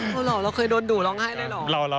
เหรอเราเคยโดนดูร้องไห้ได้เหรอ